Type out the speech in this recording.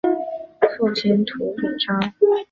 父亲涂秉彰。